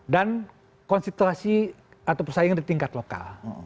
dan konsentrasi atau persaingan di tingkat lokal